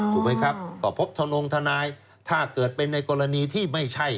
ถูกไหมครับก็พบทะลงทนายถ้าเกิดเป็นในกรณีที่ไม่ใช่